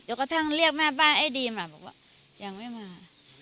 กระทั่งเรียกแม่บ้านไอ้ดีมาบอกว่ายังไม่มา